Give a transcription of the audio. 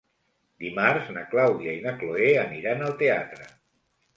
Dimarts na Clàudia i na Cloè aniran al teatre.